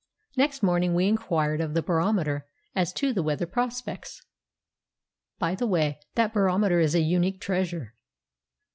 Next morning we inquired of the barometer as to the weather prospects. By the way, that barometer is a unique treasure.